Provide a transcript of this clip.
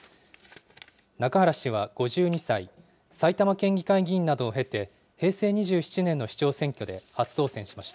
中原氏は５２歳、埼玉県議会議員などを経て、平成２７年の市長選挙で初当選しました。